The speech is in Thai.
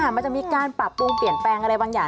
มันจะมีการปรับปรุงเปลี่ยนแปลงอะไรบางอย่าง